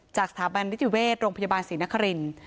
สถาบันนิติเวชโรงพยาบาลศรีนครินทร์